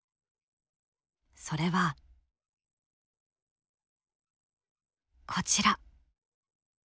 それはこちら。